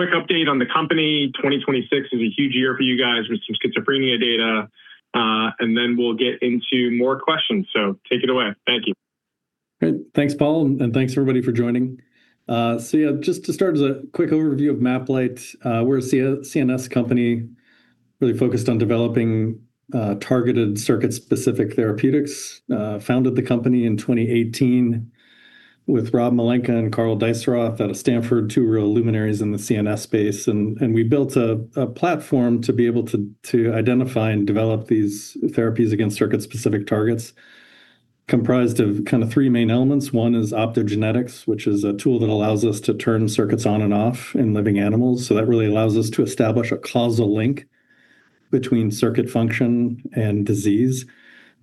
Quick update on the company. 2026 is a huge year for you guys with some schizophrenia data, and then we'll get into more questions. Take it away. Thank you. Great. Thanks, Paul, and thanks everybody for joining. Just to start as a quick overview of MapLight. We're a CNS company really focused on developing targeted circuit-specific therapeutics. Founded the company in 2018 with Rob Malenka and Karl Deisseroth out of Stanford, two real luminaries in the CNS space. We built a platform to be able to identify and develop these therapies against circuit-specific targets comprised of three main elements. One is optogenetics, which is a tool that allows us to turn circuits on and off in living animals. That really allows us to establish a causal link between circuit function and disease.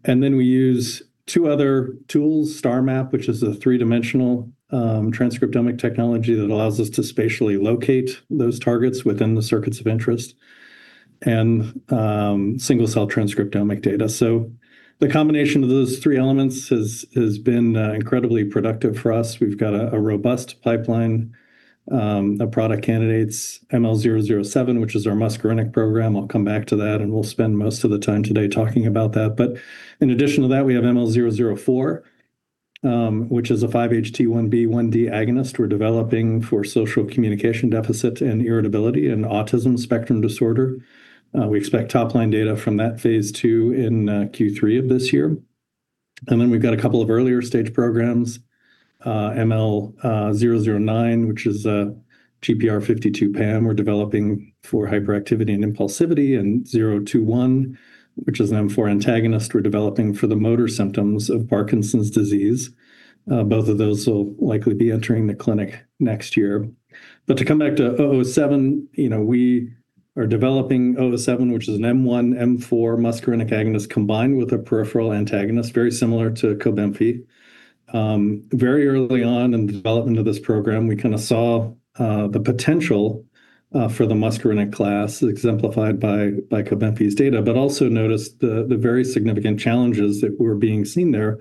We use two other tools, STARmap, which is a three-dimensional transcriptomic technology that allows us to spatially locate those targets within the circuits of interest, and single-cell transcriptomic data. The combination of those three elements has been incredibly productive for us. We've got a robust pipeline of product candidates, ML-007, which is our muscarinic program. I'll come back to that, and we'll spend most of the time today talking about that. In addition to that, we have ML-004, which is a 5-HT1B, 1D agonist we're developing for social communication deficit and irritability in autism spectrum disorder. We expect top-line data from that phase II in Q3 of this year. We've got a couple of earlier-stage programs, ML-009, which is a GPR52 PAM we're developing for hyperactivity and impulsivity, and 021, which is an M4 antagonist we're developing for the motor symptoms of Parkinson's disease. Both of those will likely be entering the clinic next year. To come back to 007, we are developing 007, which is an M1, M4 muscarinic agonist combined with a peripheral antagonist very similar to COBENFY. Very early on in the development of this program, we saw the potential for the muscarinic class exemplified by COBENFY's data, but also noticed the very significant challenges that were being seen there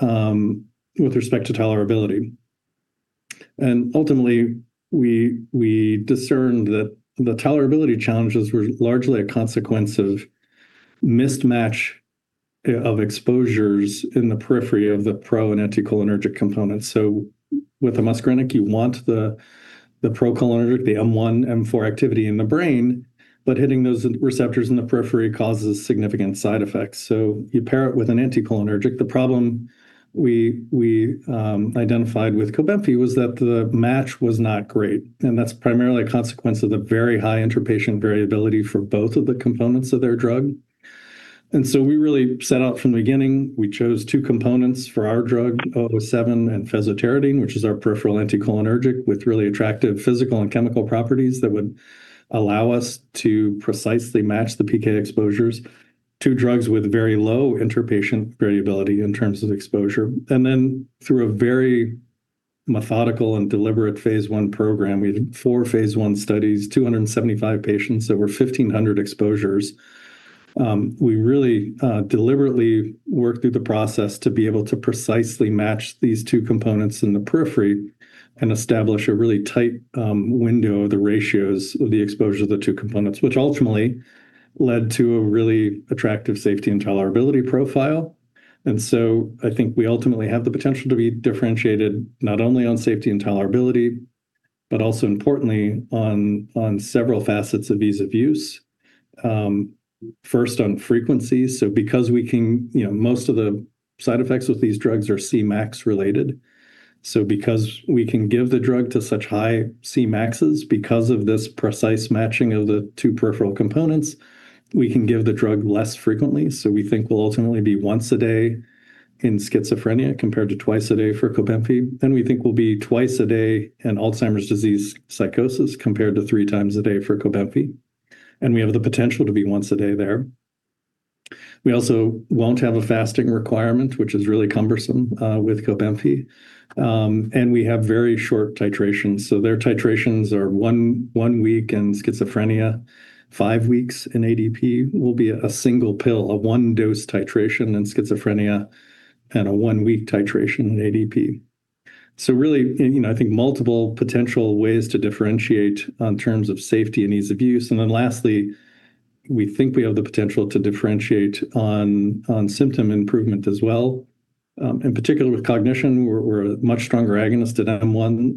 with respect to tolerability. Ultimately, we discerned that the tolerability challenges were largely a consequence of mismatch of exposures in the periphery of the pro and anticholinergic components. With a muscarinic, you want the procholinergic, the M1, M4 activity in the brain, but hitting those receptors in the periphery causes significant side effects. You pair it with an anticholinergic. The problem we identified with COBENFY was that the match was not great, that's primarily a consequence of the very high inter-patient variability for both of the components of their drug. We really set out from the beginning, we chose two components for our drug, 007 and fesoterodine, which is our peripheral anticholinergic with really attractive physical and chemical properties that would allow us to precisely match the PK exposures. Two drugs with very low inter-patient variability in terms of exposure. Through a very methodical and deliberate phase I program, we did four phase I studies, 275 patients, so were 1,500 exposures. We really deliberately worked through the process to be able to precisely match these two components in the periphery and establish a really tight window of the ratios of the exposure of the two components, which ultimately led to a really attractive safety and tolerability profile. I think we ultimately have the potential to be differentiated not only on safety and tolerability, but also importantly on several facets of ease of use. First, on frequency. Most of the side effects with these drugs are Cmax related. Because we can give the drug to such high Cmaxes, because of this precise matching of the two peripheral components, we can give the drug less frequently. We think we'll ultimately be once a day in schizophrenia, compared to twice a day for COBENFY. We think we'll be twice a day in Alzheimer's disease psychosis, compared to three times a day for COBENFY. We have the potential to be once a day there. We also won't have a fasting requirement, which is really cumbersome with COBENFY. We have very short titrations. Their titrations are one week in schizophrenia, five weeks in ADP, will be a single pill, a one-dose titration in schizophrenia, and a one-week titration in ADP. Really, I think multiple potential ways to differentiate on terms of safety and ease of use. Lastly, we think we have the potential to differentiate on symptom improvement as well. In particular with cognition, we're a much stronger agonist at M1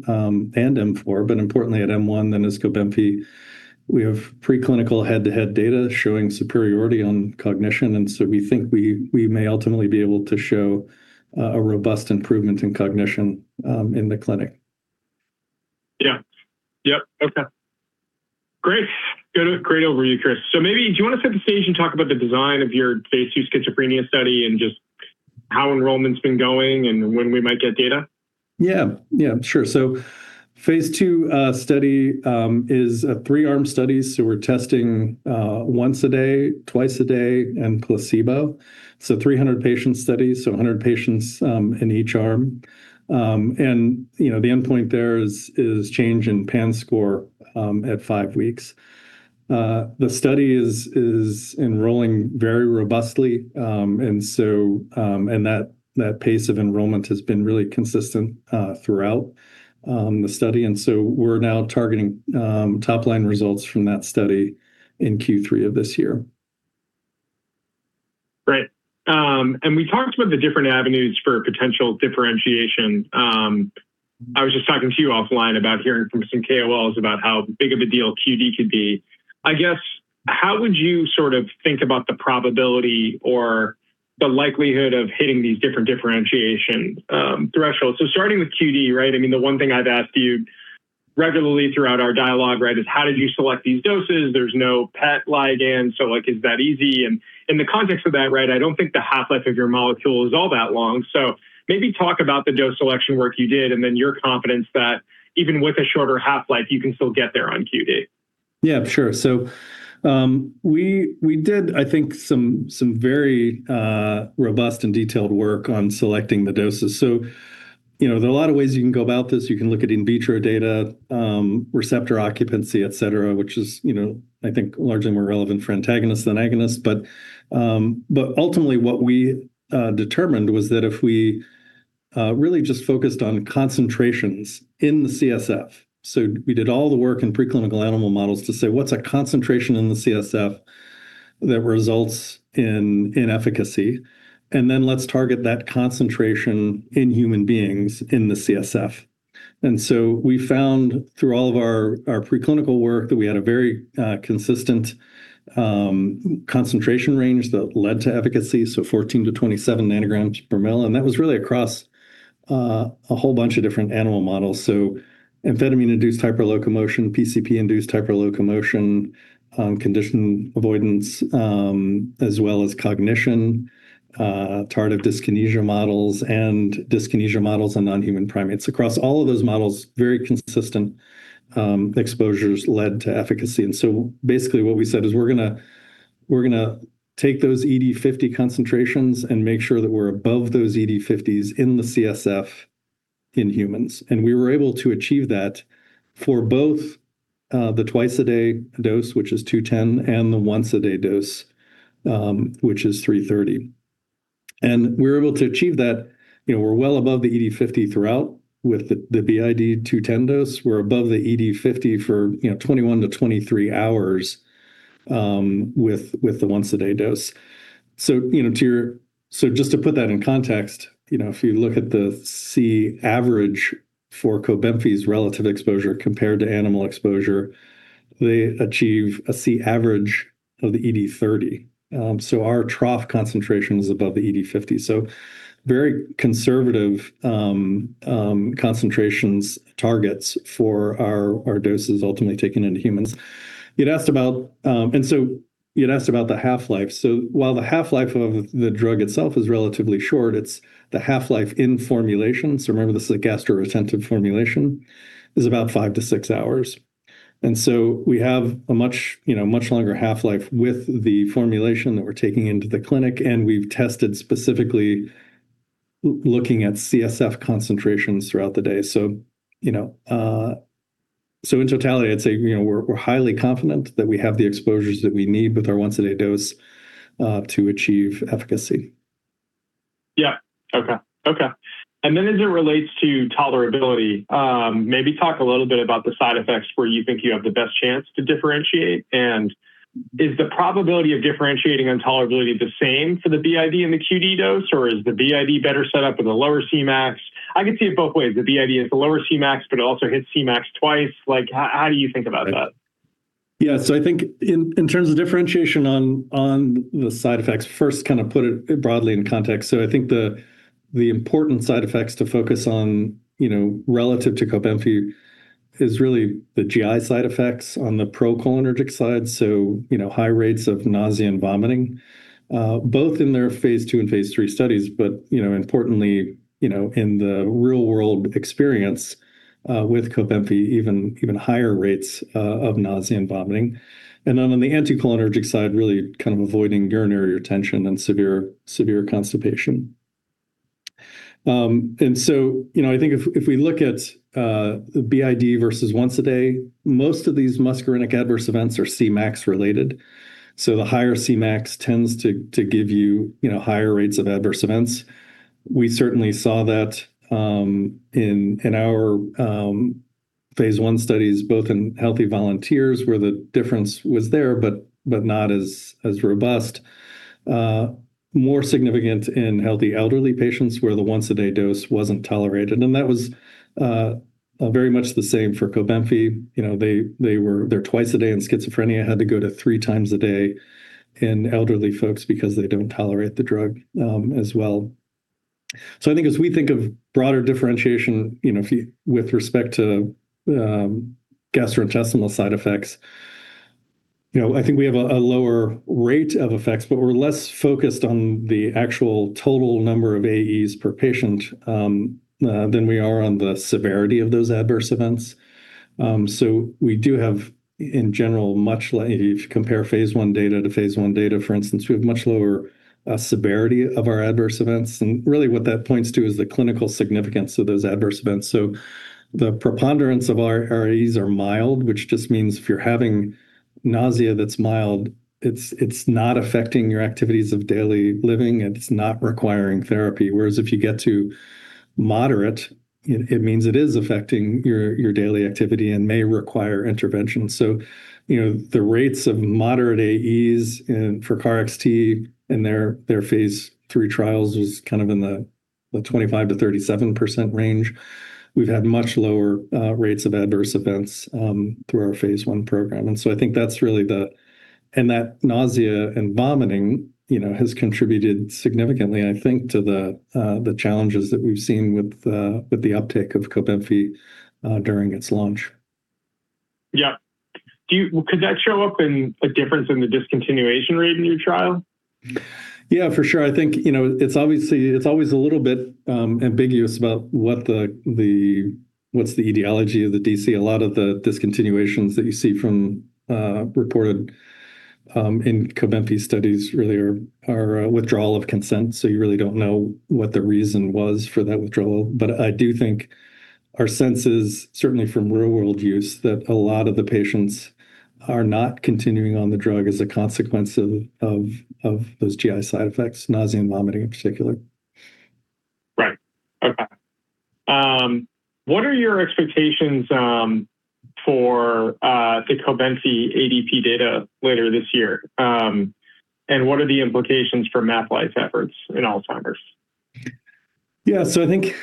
and M4, but importantly at M1 than is COBENFY. We have preclinical head-to-head data showing superiority on cognition, we think we may ultimately be able to show a robust improvement in cognition in the clinic. Yeah. Okay. Great. Good. Great overview, Chris. Maybe, do you want to set the stage and talk about the design of your phase II schizophrenia study and just how enrollment's been going and when we might get data? Yeah. Sure. Phase II study is a 3-arm study. We're testing once a day, twice a day, and placebo. 300-patient study, 100 patients in each arm. The endpoint there is change in PANSS score at 5 weeks. The study is enrolling very robustly, and that pace of enrollment has been really consistent throughout the study. We're now targeting top-line results from that study in Q3 of this year. Right. We talked about the different avenues for potential differentiation. I was just talking to you offline about hearing from some KOLs about how big of a deal QD could be. I guess, how would you think about the probability or the likelihood of hitting these different differentiation thresholds? Starting with QD, the one thing I've asked you regularly throughout our dialogue is how did you select these doses? There's no PET ligand, is that easy? In the context of that, I don't think the half-life of your molecule is all that long. Maybe talk about the dose selection work you did and then your confidence that even with a shorter half-life, you can still get there on QD. Yeah, sure. We did, I think, some very robust and detailed work on selecting the doses. There are a lot of ways you can go about this. You can look at in vitro data, receptor occupancy, et cetera, which is I think largely more relevant for antagonists than agonists. Ultimately, what we determined was that if we really just focused on concentrations in the CSF, we did all the work in preclinical animal models to say, what's a concentration in the CSF that results in efficacy? Then let's target that concentration in human beings in the CSF. We found through all of our preclinical work that we had a very consistent concentration range that led to efficacy, 14-27 nanograms per mil, and that was really across a whole bunch of different animal models. Amphetamine-induced hyperlocomotion, PCP-induced hyperlocomotion, conditioned avoidance, as well as cognition, tardive dyskinesia models, and dyskinesia models in non-human primates. Across all of those models, very consistent exposures led to efficacy. Basically what we said is we're going to take those ED50 concentrations and make sure that we're above those ED50s in the CSF in humans. We were able to achieve that for both the twice-a-day dose, which is 210, and the once-a-day dose, which is 330. We were able to achieve that. We're well above the ED50 throughout with the BID 210 dose. We're above the ED50 for 21-23 hours with the once-a-day dose. Just to put that in context, if you look at the Cavg for COBENFY's relative exposure compared to animal exposure, they achieve a Cavg of the ED30. Our trough concentration is above the ED50. Very conservative concentrations targets for our doses ultimately taken into humans. You'd asked about the half-life. While the half-life of the drug itself is relatively short, it's the half-life in formulation. Remember, this is a gastroretentive formulation, is about 5-6 hours. We have a much longer half-life with the formulation that we're taking into the clinic, and we've tested specifically looking at CSF concentrations throughout the day. In totality, I'd say we're highly confident that we have the exposures that we need with our once-a-day dose to achieve efficacy. Yeah. Okay. As it relates to tolerability, maybe talk a little bit about the side effects where you think you have the best chance to differentiate. Is the probability of differentiating on tolerability the same for the BID and the QD dose, or is the BID better set up with a lower Cmax? I can see it both ways. The BID has the lower Cmax, but it also hits Cmax twice. How do you think about that? In terms of differentiation on the side effects, first put it broadly in context. I think the important side effects to focus on relative to COBENFY is really the GI side effects on the procholinergic side, so high rates of nausea and vomiting, both in their phase II and phase III studies, but importantly, in the real-world experience with COBENFY, even higher rates of nausea and vomiting. On the anticholinergic side, really avoiding urinary retention and severe constipation. I think if we look at the BID versus once a day, most of these muscarinic adverse events are Cmax related. The higher Cmax tends to give you higher rates of adverse events. We certainly saw that in our phase I studies, both in healthy volunteers where the difference was there, but not as robust. More significant in healthy elderly patients where the once-a-day dose wasn't tolerated, and that was very much the same for COBENFY. They were twice a day and schizophrenia had to go to three times a day in elderly folks because they don't tolerate the drug as well. I think as we think of broader differentiation with respect to gastrointestinal side effects I think we have a lower rate of effects, but we're less focused on the actual total number of AEs per patient, than we are on the severity of those adverse events. Really what that points to is the clinical significance of those adverse events. The preponderance of our AEs are mild, which just means if you're having nausea that's mild, it's not affecting your activities of daily living, and it's not requiring therapy. Whereas if you get to moderate, it means it is affecting your daily activity and may require intervention. The rates of moderate AEs for KarXT in their phase III trials was in the 25%-37% range. We've had much lower rates of adverse events through our phase I program. That nausea and vomiting has contributed significantly, I think, to the challenges that we've seen with the uptake of COBENFY during its launch. Yeah. Could that show up in a difference in the discontinuation rate in your trial? Yeah, for sure. I think, it's always a little bit ambiguous about what's the etiology of the D/C. A lot of the discontinuations that you see from reported in COBENFY studies really are a withdrawal of consent. You really don't know what the reason was for that withdrawal. I do think our sense is, certainly from real-world use, that a lot of the patients are not continuing on the drug as a consequence of those GI side effects, nausea and vomiting in particular. Right. Okay. What are your expectations for the COBENFY data later this year? What are the implications for MapLight's efforts in Alzheimer's? Yeah. I think,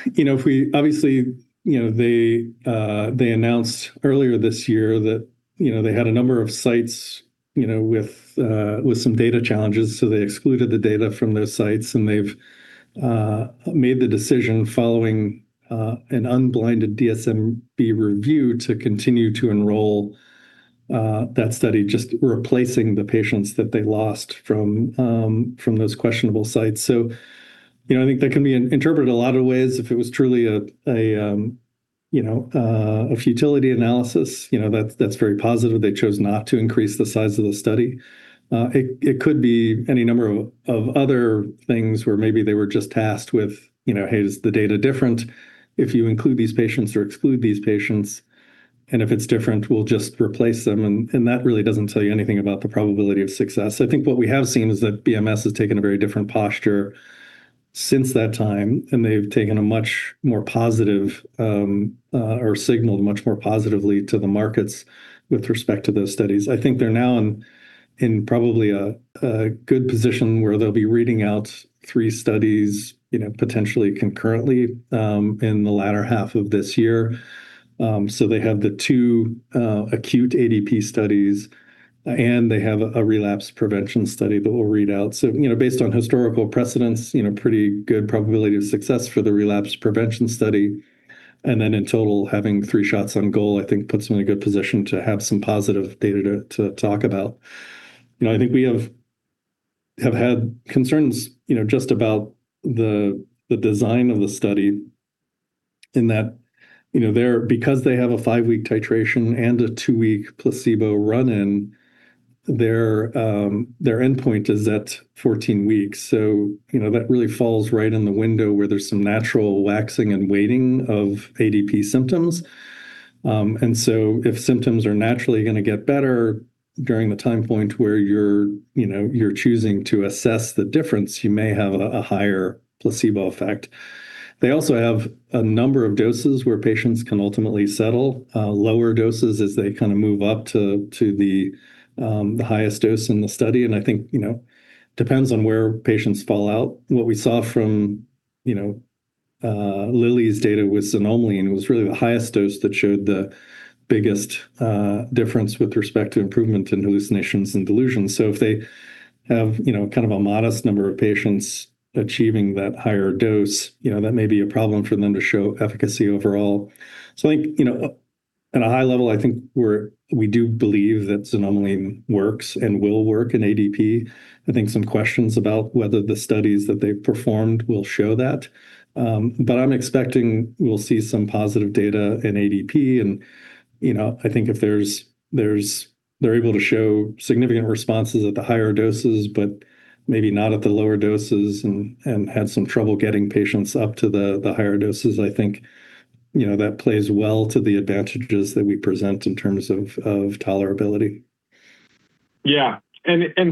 obviously, they announced earlier this year that they had a number of sites with some data challenges, so they excluded the data from those sites, and they've made the decision following an unblinded DSMB review to continue to enroll that study, just replacing the patients that they lost from those questionable sites. I think that can be interpreted a lot of ways. If it was truly a futility analysis, that's very positive. They chose not to increase the size of the study. It could be any number of other things where maybe they were just tasked with, "Hey, is the data different if you include these patients or exclude these patients? If it's different, we'll just replace them." That really doesn't tell you anything about the probability of success. I think what we have seen is that BMS has taken a very different posture since that time, and they've taken a much more positive or signaled much more positively to the markets with respect to those studies. I think they're now in probably a good position where they'll be reading out three studies, potentially concurrently, in the latter half of this year. They have the two acute ADP studies, and they have a relapse prevention study that will read out. Based on historical precedents, pretty good probability of success for the relapse prevention study. Then in total, having three shots on goal, I think puts them in a good position to have some positive data to talk about. I think we have had concerns just about the design of the study in that because they have a five-week titration and a two-week placebo run-in, their endpoint is at 14 weeks. That really falls right in the window where there's some natural waxing and waning of ADP symptoms. If symptoms are naturally going to get better during the time point where you're choosing to assess the difference, you may have a higher placebo effect. They also have a number of doses where patients can ultimately settle. Lower doses as they move up to the highest dose in the study, and I think it depends on where patients fall out. What we saw from Lilly's data with xanomeline was really the highest dose that showed the biggest difference with respect to improvement in hallucinations and delusions. If they have a modest number of patients achieving that higher dose, that may be a problem for them to show efficacy overall. I think, at a high level, I think we do believe that xanomeline works and will work in ADP. I think some questions about whether the studies that they've performed will show that. I'm expecting we'll see some positive data in ADP, and I think if they're able to show significant responses at the higher doses, but maybe not at the lower doses and had some trouble getting patients up to the higher doses, I think that plays well to the advantages that we present in terms of tolerability. Yeah.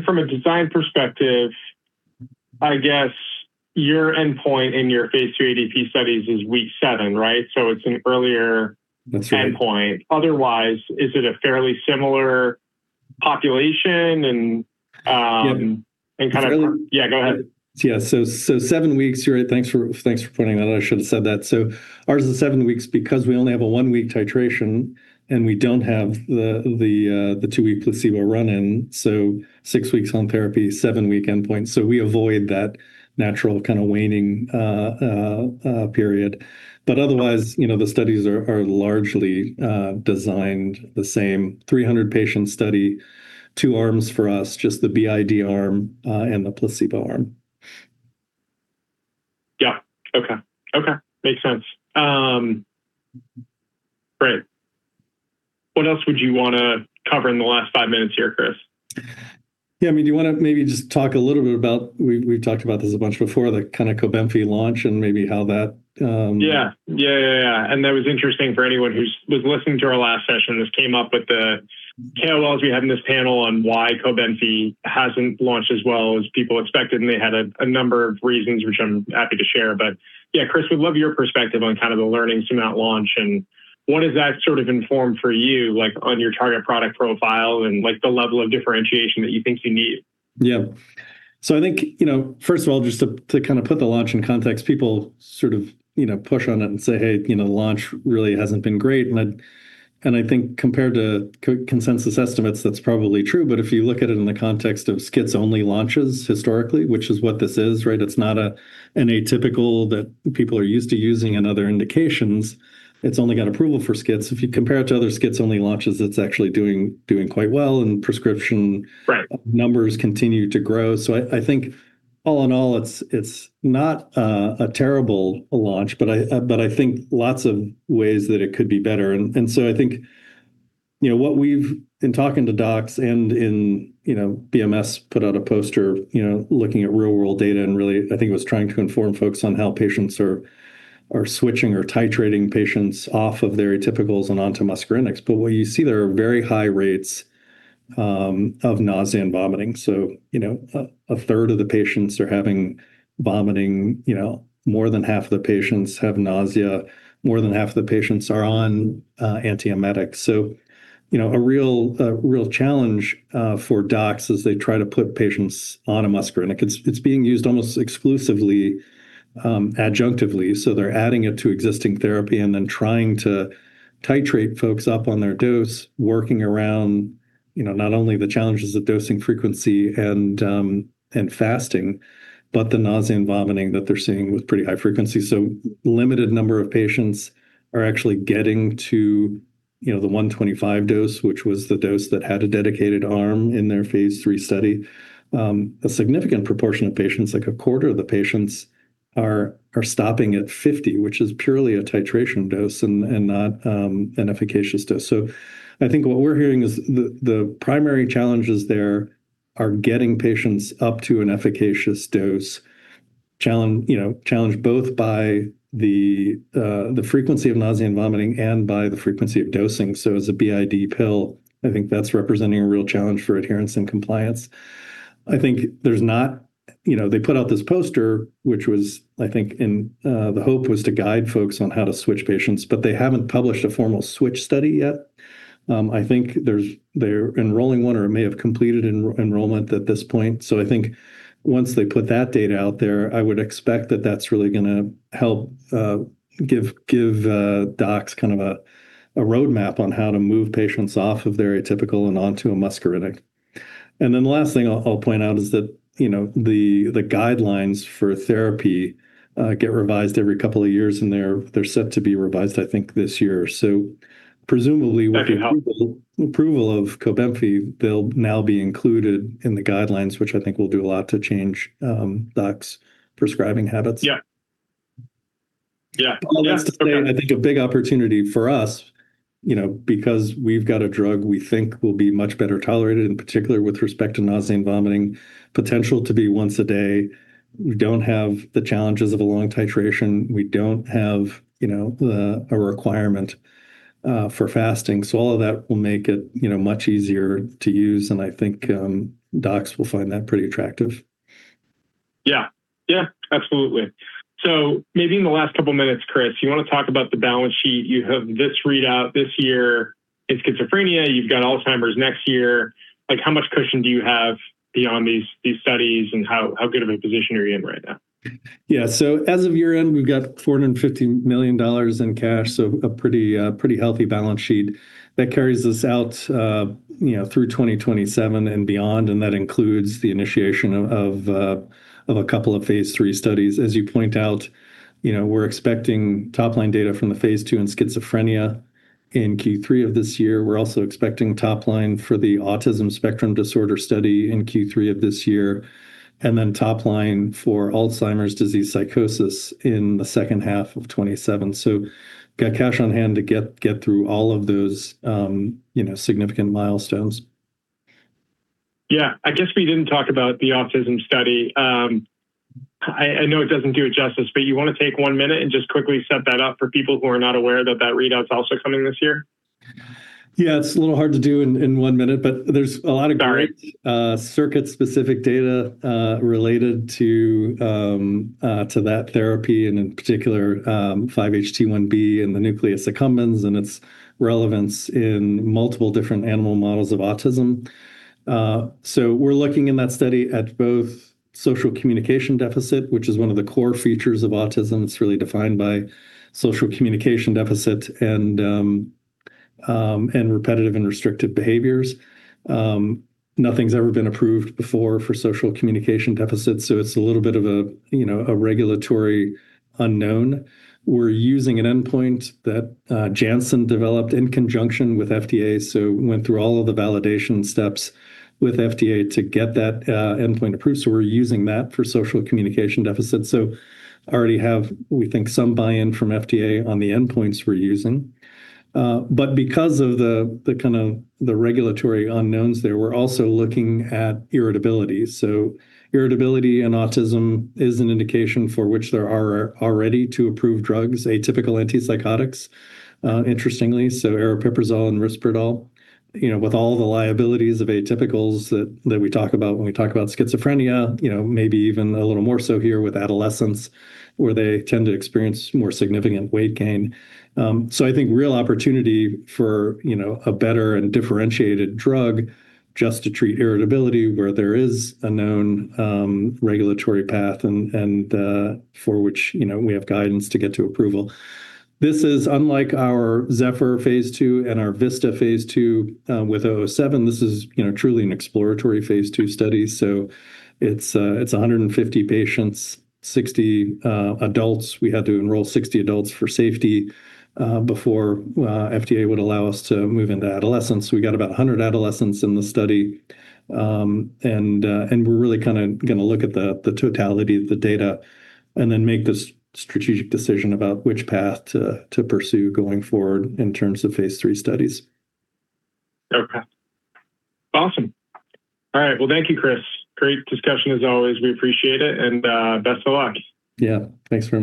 From a design perspective, I guess your endpoint in your phase II ADP studies is week seven, right? It's an earlier- That's right endpoint. Otherwise, is it a fairly similar population and- Yeah. Yeah, go ahead. Seven weeks. You're right. Thanks for pointing that out. I should have said that. Ours is seven weeks because we only have a one-week titration, and we don't have the two-week placebo run-in, so six weeks on therapy, seven-week endpoint. We avoid that natural waning period. Otherwise, the studies are largely designed the same. 300-patient study, two arms for us, just the BID arm, and the placebo arm. Yeah. Okay. Makes sense. Great. What else would you want to cover in the last five minutes here, Chris? Yeah. Do you want to maybe just talk a little bit about, we've talked about this a bunch before, the COBENFY launch and maybe how that- Yeah. That was interesting for anyone who was listening to our last session. This came up with the KOLs we had in this panel on why COBENFY hasn't launched as well as people expected. They had a number of reasons, which I'm happy to share. Yeah, Chris, we'd love your perspective on the learnings from that launch and what has that sort of informed for you on your target product profile and the level of differentiation that you think you need. Yeah. I think, first of all, just to put the launch in context, people sort of push on it and say, "Hey, the launch really hasn't been great." I think compared to consensus estimates, that's probably true, but if you look at it in the context of schiz-only launches historically, which is what this is, right? It's not an atypical that people are used to using in other indications. It's only got approval for schiz. If you compare it to other schiz-only launches, it's actually doing quite well. Prescription- Right numbers continue to grow. I think all in all, it's not a terrible launch, but I think lots of ways that it could be better. I think what we've, in talking to docs and in BMS, put out a poster looking at real-world data. Really, I think it was trying to inform folks on how patients are switching or titrating patients off of their atypicals and onto muscarinics. What you see there are very high rates of nausea and vomiting. A third of the patients are having vomiting, more than half the patients have nausea, more than half the patients are on antiemetics. A real challenge for docs is they try to put patients on a muscarinic. It's being used almost exclusively adjunctively. They're adding it to existing therapy and then trying to titrate folks up on their dose, working around not only the challenges of dosing frequency and fasting, but the nausea and vomiting that they're seeing with pretty high frequency. Limited number of patients are actually getting to the 125 dose, which was the dose that had a dedicated arm in their phase III study. A significant proportion of patients, like a quarter of the patients, are stopping at 50, which is purely a titration dose and not an efficacious dose. I think what we're hearing is the primary challenges there are getting patients up to an efficacious dose, challenged both by the frequency of nausea and vomiting and by the frequency of dosing. As a BID pill, I think that's representing a real challenge for adherence and compliance. They put out this poster, which was, I think, the hope was to guide folks on how to switch patients, but they haven't published a formal switch study yet. I think they're enrolling one or may have completed enrollment at this point. I think once they put that data out there, I would expect that that's really going to help give docs a roadmap on how to move patients off of their atypical and onto a muscarinic. The last thing I'll point out is that the guidelines for therapy get revised every couple of years, and they're set to be revised, I think, this year. Presumably. That'd be helpful. With approval of COBENFY, they'll now be included in the guidelines, which I think will do a lot to change docs' prescribing habits. Yeah. All that's to say, I think a big opportunity for us, because we've got a drug we think will be much better tolerated, in particular with respect to nausea and vomiting, potential to be once a day. We don't have the challenges of a long titration. We don't have a requirement for fasting. All of that will make it much easier to use, and I think docs will find that pretty attractive. Yeah. Absolutely. Maybe in the last couple of minutes, Chris, you want to talk about the balance sheet. You have this readout this year in schizophrenia. You've got Alzheimer's next year. How much cushion do you have beyond these studies, and how good of a position are you in right now? Yeah. As of year-end, we've got $450 million in cash, a pretty healthy balance sheet that carries us out through 2027 and beyond, and that includes the initiation of a couple of phase III studies. As you point out, we're expecting top-line data from the phase II in schizophrenia in Q3 of this year. We're also expecting top-line for the autism spectrum disorder study in Q3 of this year, then top-line for Alzheimer's disease psychosis in the second half of 2027. Got cash on hand to get through all of those significant milestones. Yeah. I guess we didn't talk about the autism study. I know it doesn't do it justice, but you want to take one minute and just quickly set that up for people who are not aware that that readout's also coming this year? Yeah, it's a little hard to do in one minute. Sorry circuit-specific data related to that therapy, in particular, 5-HT1B and the nucleus accumbens and its relevance in multiple different animal models of autism. We're looking in that study at both social communication deficit, which is one of the core features of autism. It's really defined by social communication deficit and repetitive and restrictive behaviors. Nothing's ever been approved before for social communication deficits, so it's a little bit of a regulatory unknown. We're using an endpoint that Janssen developed in conjunction with FDA, went through all of the validation steps with FDA to get that endpoint approved. We're using that for social communication deficits. Already have, we think, some buy-in from FDA on the endpoints we're using. Because of the regulatory unknowns there, we're also looking at irritability. Irritability and autism is an indication for which there are already two approved drugs, atypical antipsychotics, interestingly, aripiprazole and risperidone, with all the liabilities of atypicals that we talk about when we talk about schizophrenia, maybe even a little more so here with adolescents, where they tend to experience more significant weight gain. I think real opportunity for a better and differentiated drug just to treat irritability where there is a known regulatory path and for which we have guidance to get to approval. This is unlike our ZEPHYR phase II and our VISTA phase II with 007. This is truly an exploratory phase II study, so it's 150 patients, 60 adults. We had to enroll 60 adults for safety before FDA would allow us to move into adolescence. We got about 100 adolescents in the study, we're really going to look at the totality of the data and then make the strategic decision about which path to pursue going forward in terms of phase III studies. Okay. Awesome. All right. Well, thank you, Chris. Great discussion as always. We appreciate it, and best of luck. Yeah. Thanks very much